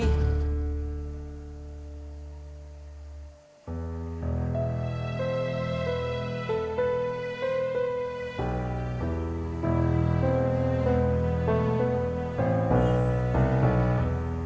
aku aku kemarin lagi